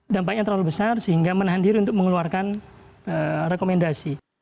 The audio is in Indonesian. dampaknya terlalu besar sehingga menahan diri untuk mengeluarkan rekomendasi